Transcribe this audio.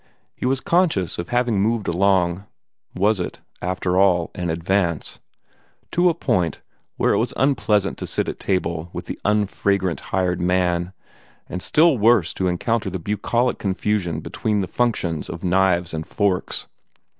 He was conscious of having moved along was it, after all, an advance? to a point where it was unpleasant to sit at table with the unfragrant hired man, and still worse to encounter the bucolic confusion between the functions of knives and forks.